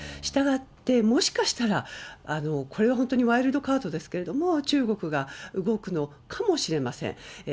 したがって、もしかしたら、これは本当にワイルドカードですけど、中国が動くのかもしれません。